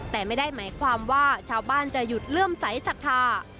แต่ไม่ได้หมายความว่าชาวบ้านจะหยุดเลื่อมใสสัทธา